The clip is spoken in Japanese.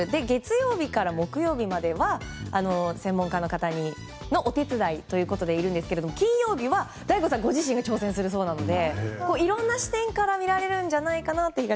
月曜日から木曜日までは専門家の方のお手伝いということでいるんですけれども金曜日はＤＡＩＧＯさんご自身が挑戦するそうなのでいろんな視点から見られるんじゃないかと。